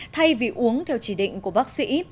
thay vì uống theo chỉ định của bác sĩ